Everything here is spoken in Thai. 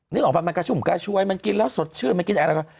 นึกออกปะมันกระชุ่มกระชวยมันกินแล้วสดชื่นมันกินอะไร